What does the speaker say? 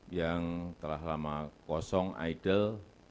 yang telah lama kosong idol